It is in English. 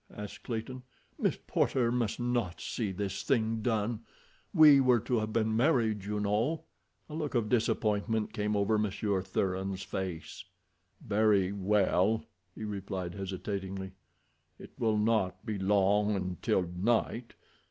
asked Clayton. "Miss Porter must not see this thing done. We were to have been married, you know." A look of disappointment came over Monsieur Thuran's face. "Very well," he replied hesitatingly. "It will not be long until night.